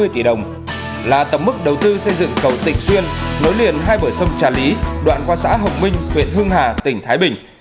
năm trăm hai mươi tỷ đồng là tổng mức đầu tư xây dựng cầu tỉnh xuyên nối liền hai bờ sông trà lý đoạn qua xã hồng minh huyện hương hà tỉnh thái bình